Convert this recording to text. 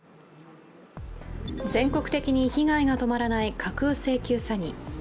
全国的に被害が止まらない架空請求詐欺。